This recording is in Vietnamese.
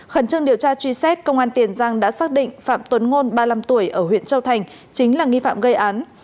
khẩn trương điều tra truy xét công an tiền giang đã xác định phạm tuấn ngôn ba mươi năm tuổi ở huyện châu thành chính là nghi phạm gây án